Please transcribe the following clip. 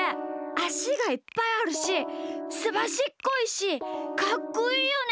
あしがいっぱいあるしすばしっこいしかっこいいよね？